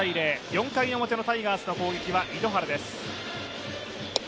４回表のタイガースの攻撃は糸原です。